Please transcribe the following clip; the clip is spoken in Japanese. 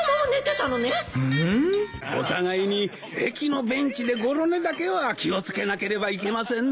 お互いに駅のベンチでごろ寝だけは気を付けなければいけませんな。